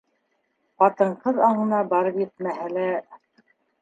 Ҡатын-ҡыҙ аңына барып етмәһә лә.